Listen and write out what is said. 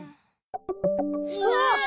☎うわ！